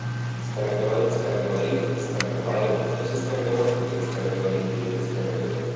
Скороговорун скороговорил, выскороговаривал, что все скороговорки перескороговорит, перевыскороговорит.